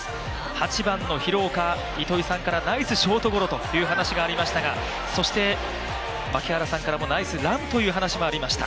８番の廣岡、糸井さんからナイスショートゴロという話がありましたがそして、槙原さんからもナイスランという話もありました。